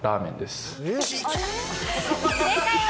正解は？